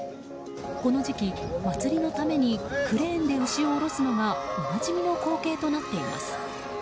この時期、祭りのためにクレーンで牛を降ろすのがおなじみの光景となっています。